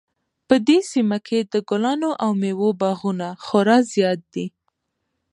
په دې سیمه کې د ګلانو او میوو باغونه خورا زیات دي